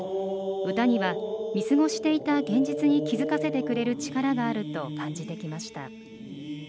歌には、見過ごしていた現実に気付かせてくれる力があると感じてきました。